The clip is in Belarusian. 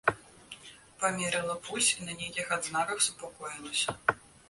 Памерала пульс і на нейкіх адзнаках супакоілася.